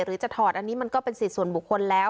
จะถอดอันนี้มันก็เป็นสิทธิส่วนบุคคลแล้ว